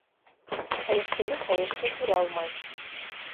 Хәйерсене хәйерсе күрә алмай.